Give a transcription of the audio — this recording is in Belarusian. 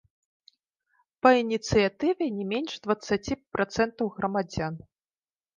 Па ініцыятыве не менш дваццаці працэнтаў грамадзян.